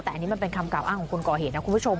แต่อันนี้มันเป็นคำกล่าวอ้างของคนก่อเหตุนะคุณผู้ชม